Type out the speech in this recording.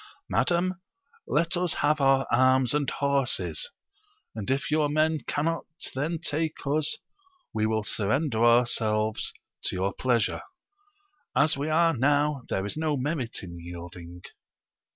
Madam, let us have our arms and horses, and if your men cannot then take us, we will surrender ourselves to your pleasure ; as we are now, there is no merit in yielding.